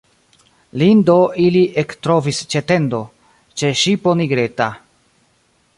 Lin do ili ektrovis ĉe tendo, ĉe ŝipo nigreta.